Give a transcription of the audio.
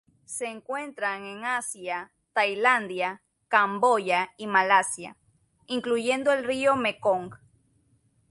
Se encuentran en Asia: Tailandia, Camboya y Malasia, incluyendo el río Mekong.